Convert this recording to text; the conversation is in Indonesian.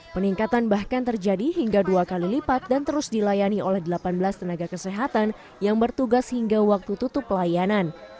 peningkatan bahkan terjadi hingga dua kali lipat dan terus dilayani oleh delapan belas tenaga kesehatan yang bertugas hingga waktu tutup pelayanan